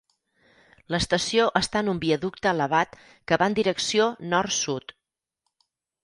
L'estació està en un viaducte elevat que va en direcció nord-sud.